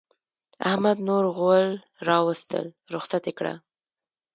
احمد نور غول راوستل؛ رخصت يې کړه.